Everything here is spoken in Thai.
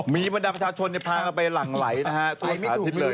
มีบรรดาประชาชนฟ้ากลับไปหลังไหลนะฮะ